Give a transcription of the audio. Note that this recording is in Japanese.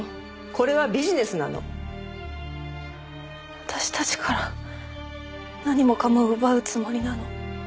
私たちから何もかも奪うつもりなの？